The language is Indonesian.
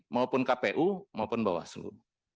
maupun kpu maupun bawaslu